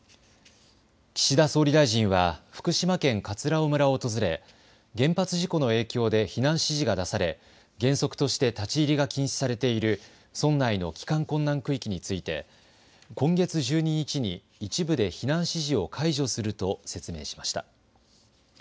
岸田総理大臣は福島県葛尾村を訪れ原発事故の影響で避難指示が出され原則として立ち入りが禁止されている村内の帰還困難区域について今月１２日に一部で避難指示を解除すると説明しました。